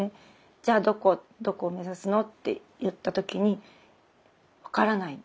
じゃあどこを目指すのって言った時に分からない。